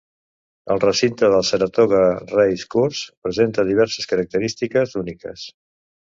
El recinte del Saratoga Race Course presenta diverses característiques úniques.